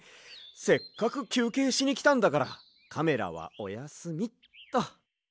せっかくきゅうけいしにきたんだからカメラはおやすみっと。